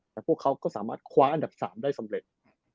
แต่พวกเขาก็สามารถคว้าอันดับ๓ได้สำเร็จ